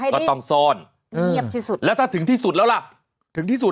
ก็แอบให้ที่เงียบที่สุด